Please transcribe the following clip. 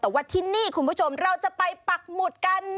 แต่ว่าที่นี่คุณผู้ชมเราจะไปปักหมุดกัน